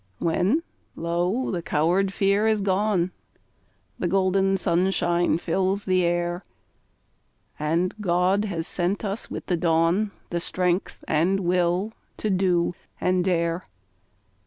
When, lo! the coward fear is gone The golden sunshine fills the air, And God has sent us with the dawn The strength and will to do and dare.